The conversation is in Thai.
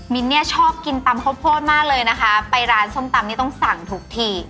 เนี่ยชอบกินตำข้าวโพดมากเลยนะคะไปร้านส้มตำนี่ต้องสั่งทุกที